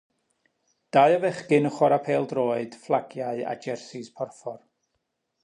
Dau o fechgyn yn chwarae pêl-droed fflagiau â jersis porffor.